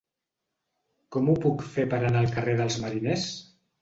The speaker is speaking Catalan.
Com ho puc fer per anar al carrer dels Mariners?